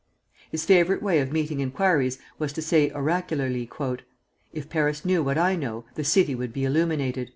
His favorite way of meeting inquiries was to say oracularly: "If Paris knew what I know, the city would be illuminated."